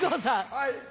はい。